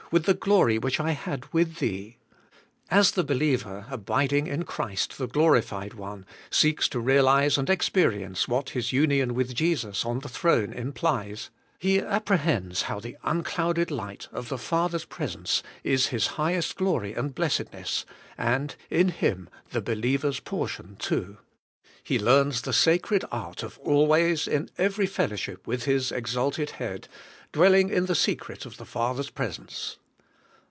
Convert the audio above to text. with the glory which I had with Thee. ' As the believer, abiding in Christ the Glori fied One, seeks to realize and experience what His union with Jesus on the throne implies, he appre hends how the unclouded light of the Father's pres ence is His highest glory and blessedness, and in Him the believer's portion too. He learns the sacred art of always, in every fellowship with His exalted Head, dwelling in the secret of the Father's presence.